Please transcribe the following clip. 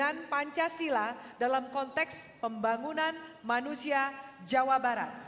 dan pancasila dalam konteks pembangunan manusia jawa barat